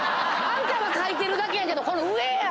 あんたは書いてるだけやけどこの上や！